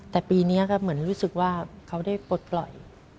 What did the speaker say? แต่ปีนี้ก็เหมือนรู้สึกว่าเขาได้ปลดปล่อย